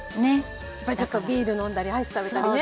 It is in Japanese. やっぱりちょっとビール飲んだりアイス食べたりね。